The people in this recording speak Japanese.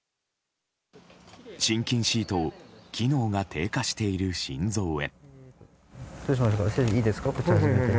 心筋シートを機能が低下している心臓へ。